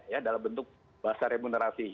ya dalam bentuk bahasa remunerasi